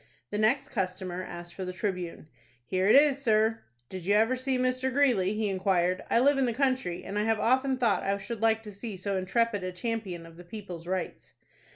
The next customer asked for the "Tribune." "Here it is, sir." "Did you ever see Mr. Greeley?" he inquired. "I live in the country, and I have often thought I should like to see so intrepid a champion of the people's rights."